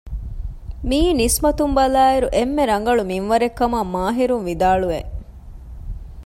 މިއީ ނިސްބަތުން ބަލާއިރު އެންމެ ރަނގަޅު މިންވަރެއް ކަމަށް މާހިރުން ވިދާޅުވެ